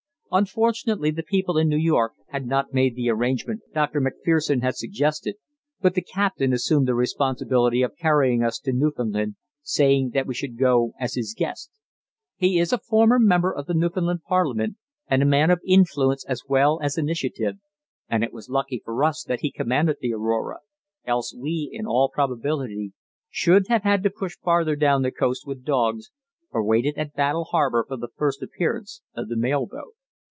Unfortunately the people in New York had not made the arrangement Dr. Macpherson had suggested, but the captain assumed the responsibility of carrying us to Newfoundland, saying that we should go as his guests. He is a former member of the Newfoundland parliament, and a man of influence as well as initiative, and it was lucky for us that he commanded the Aurora, else we, in all probability, should have had to push farther down the coast with dogs, or waited at Battle Harbour for the first appearance of the mail boat.